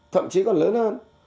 thậm chí còn lớn hơn